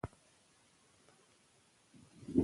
تنگ نظري پریږدئ.